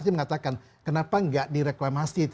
mengatakan kenapa gak direklamasi